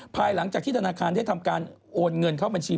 ภายหลังจากที่ธนาคารได้ทำการโอนเงินเข้าบัญชี